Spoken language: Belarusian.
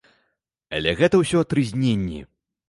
Але гэта ўсё трызненні.